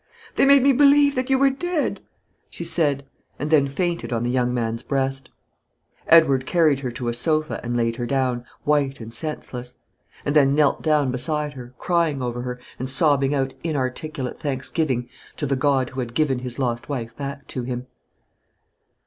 They made me believe that you were dead!" she said, and then fainted on the young man's breast. Edward carried her to a sofa and laid her down, white and senseless; and then knelt down beside her, crying over her, and sobbing out inarticulate thanksgiving to the God who had given his lost wife back to him.